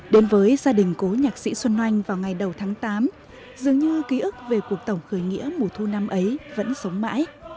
đến với gia đình cố nhạc sĩ xuân oanh vào ngày đầu tháng tám dường như ký ức về cuộc tổng khởi nghĩa mùa thu năm ấy vẫn sống mãi